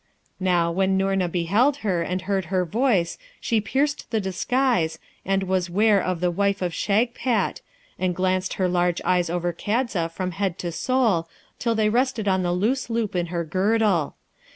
Now, when Noorna beheld her, and heard her voice, she pierced the disguise, and was ware of the wife of Shagpat, and glanced her large eyes over Kadza from head to sole till they rested on the loose loop in her girdle.